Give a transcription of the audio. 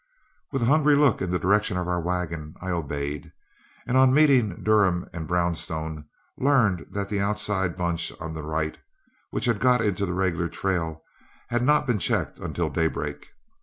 With a hungry look in the direction of our wagon, I obeyed, and on meeting Durham and Borrowstone, learned that the outside bunch on the right, which had got into the regular trail, had not been checked until daybreak.